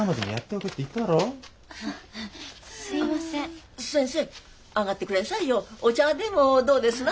お茶でもどうですな？